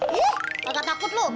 ih kagak takut lu